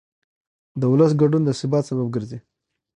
د ولس ګډون د ثبات سبب ګرځي